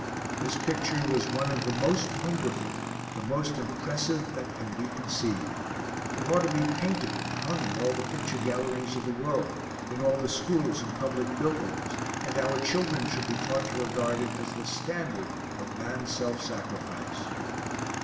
This picture was one of the most wonderful, the most impressive that can be conceived. It ought to be painted and hung in all the picture galleries of the world, in all the schools and public buildings, and our children should be taught to regard it as the standard of man's self sacrifice.